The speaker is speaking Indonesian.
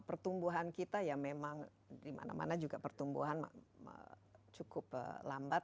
pertumbuhan kita ya memang dimana mana juga pertumbuhan cukup lambat